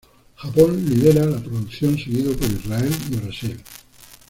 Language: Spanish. Japón lidera la producción, seguido por Israel y Brasil.